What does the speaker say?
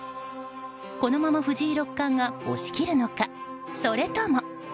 このまま藤井六冠が押し切るのかそれとも。